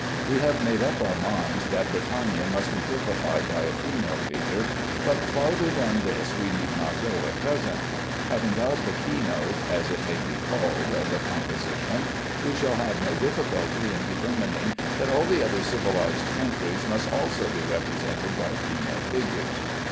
We have made up our minds that Britannia must be typified by a female figure, but farther than this we need not go at present. Having got the key note (as it may be called) of the composition, we shall have no difficulty in determining that all the other civilized countries must also be represented by female figures.